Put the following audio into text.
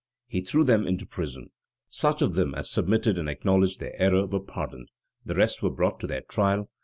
He threw them into prison. Such of them as submitted, and acknowledged their error, were pardoned. The rest were brought to their trial.